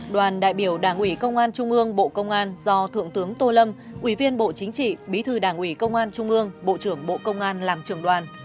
đoàn đại biểu đảng ủy công an trung ương bộ công an do thượng tướng tô lâm ủy viên bộ chính trị bí thư đảng ủy công an trung ương bộ trưởng bộ công an làm trưởng đoàn